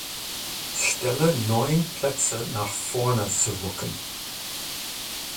Stelle neun Plätze nach vorne zu rücken.